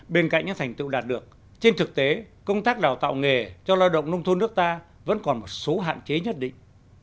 bên cạnh những thành tựu đạt được trên thực tế công tác đào tạo nghề cho lao động nông thôn nước ta vẫn còn một số hạn chế nhất định